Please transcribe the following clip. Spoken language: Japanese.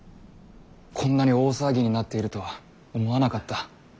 こんなに大騒ぎになっているとは思わなかった。